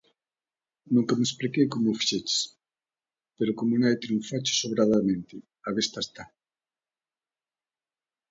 Nunca me expliquei como o fixeches, pero como nai triunfaches sobradamente, á vista está.